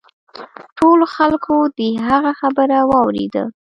ټولو خلکو د هغه خبره واوریده.